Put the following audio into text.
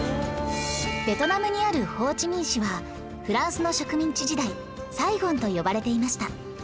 ベトナムにあるホーチミン市はフランスの植民地時代サイゴンと呼ばれていました